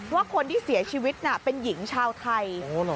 ว่าคนที่เสียชีวิตเป็นหญิงชาวไทย